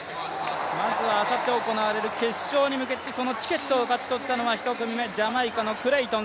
まずはあさって行われる決勝に向けて、そのチケットを手にしたのは１組目、ジャマイカのクレイトン